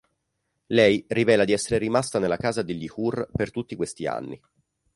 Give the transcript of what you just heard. Lei rivela di essere rimasta nella casa degli Hur per tutti questi anni.